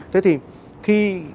thế thì khi